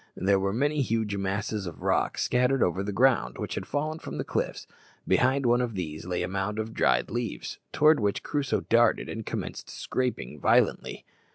There were many huge masses of rock scattered over the ground, which had fallen from the cliffs. Behind one of these lay a mound of dried leaves, towards which Crusoe darted and commenced scraping violently.